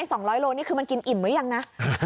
๒๐๐โลนี่คือมันกินอิ่มหรือยังนะ